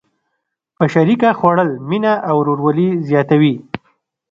په شریکه خوړل مینه او ورورولي زیاتوي.